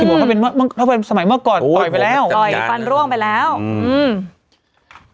บอกถ้าเป็นเมื่อถ้าเป็นสมัยเมื่อก่อนต่อยไปแล้วต่อยฟันร่วงไปแล้วอืม